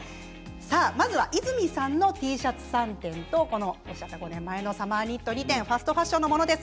まずは和泉さんのＴシャツ３点と５年前のサマーニット２点ファストファッションのものです。